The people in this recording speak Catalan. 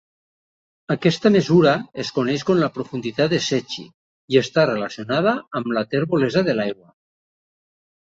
Aquesta mesura es coneix com la profunditat de Secchi i està relacionada amb la terbolesa de l'aigua.